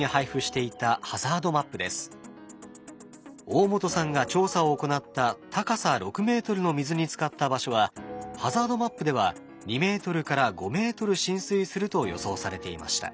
大本さんが調査を行った高さ６ｍの水につかった場所はハザードマップでは２ｍ５ｍ浸水すると予想されていました。